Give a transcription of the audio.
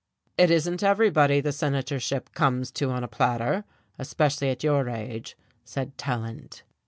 "It isn't everybody the senatorship comes to on a platter especially at your age," said Tallant.